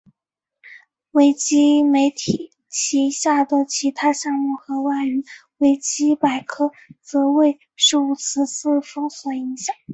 维基媒体旗下的其他项目和外语维基百科则未受此次封锁影响。